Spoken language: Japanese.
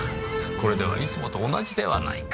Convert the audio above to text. これではいつもと同じではないか。